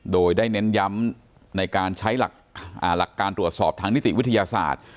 โดยได้เน้นย้ำในการใช้หลักการตรวจสอบทางนิติวิทยาศาสตร์